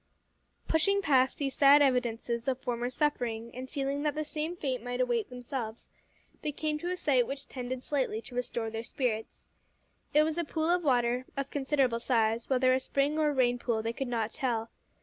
Pushing past these sad evidences of former suffering, and feeling that the same fate might await themselves, they came to a sight which tended slightly to restore their spirits. It was a pool of water of considerable size, whether a spring or a rain pool they could not tell.